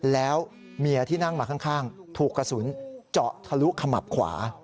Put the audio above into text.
แล้วเมียที่นั่งมาข้างถูกกระสุนเจาะทะลุขมับขวา